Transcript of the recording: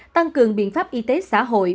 tăng cường biện pháp y tế xã hội